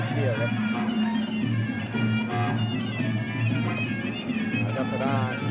พอพอได้